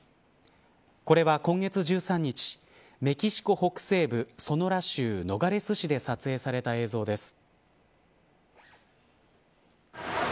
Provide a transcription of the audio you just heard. これは今月１３日メキシコ北西部ソノラ州ノガレス市で撮影された映像です。